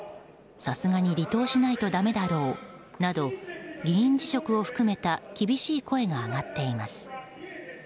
さすがに離党しないとだめだろうなど議員辞職を含めた厳しい声が上がっています。